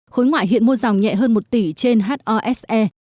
khối ngoại hiện mua dòng nhẹ hơn một tỷ trên hose